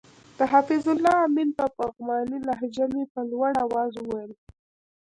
د حفیظ الله آمین په پغمانۍ لهجه مې په لوړ اواز وویل.